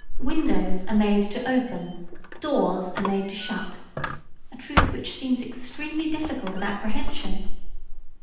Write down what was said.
Windows are made to open; doors are made to shut a truth which seems extremely difficult of apprehension.